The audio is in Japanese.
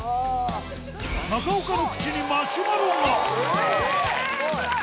中岡の口にマシュマロがえぇスゴい！